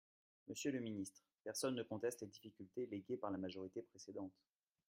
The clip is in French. Monsieur le ministre, personne ne conteste les difficultés léguées par la majorité précédente.